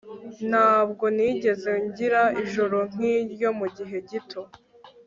Ntabwo nigeze ngira ijoro nkiryo mugihe gito